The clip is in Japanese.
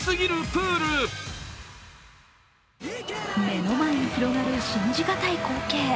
目の前に広がる信じ難い光景。